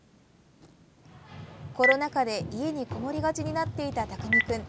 コロナ禍で家にこもりがちになっていた巧君。